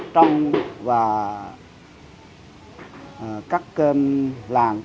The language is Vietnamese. trong và các làng xã thôn đất nước